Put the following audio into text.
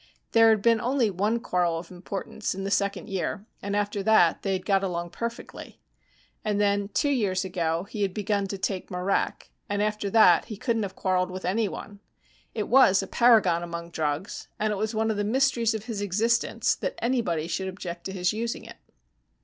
There had been only one quarrel of importance, in the second year, and after that they had got along perfectly. And then, two years ago, he had begun to take marak, and after that he couldn't have quarreled with anyone. It was a paragon among drugs, and it was one of the mysteries of his existence that anybody should object to his using it.